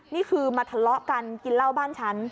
นี่คือมาทะเลาะกันกินเหล้าบ้านฉัน